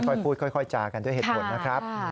ค่อยพูดค่อยจากันด้วยเหตุผลนะครับ